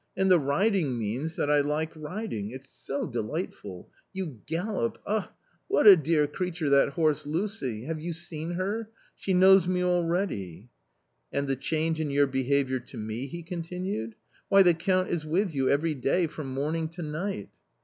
and the riding means — that I like riding — it's so delightful ; you gallop — ah, what a dear creature that horse Lucy ! have you seen her ?— she knows me already." " And the change in your behaviour to me?" he continued; " why, the Count is with you every day from morning to night